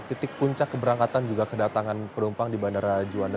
titik puncak keberangkatan juga kedatangan penumpang di bandara juanda